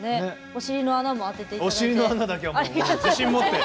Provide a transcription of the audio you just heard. お尻の穴も当てていただいて。